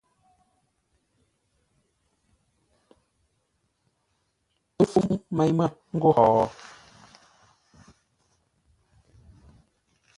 Pə́ fûŋ mêi mə́ ńgó hó?